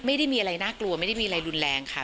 ไม่ได้มีอะไรน่ากลัวไม่ได้มีอะไรรุนแรงค่ะ